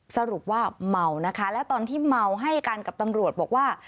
สรุปว่าเมานะคะและตอนที่เมาให้กันกับตำรวจบอกว่า